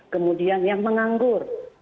kemudian yang menganggur